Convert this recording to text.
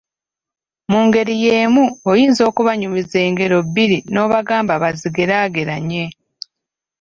Mu ngeri y'emu oyinza okubanyumiza engero bbiri n'obagamba bazigeraageranye